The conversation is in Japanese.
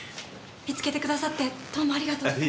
見つけてくださってどうもありがとうございます。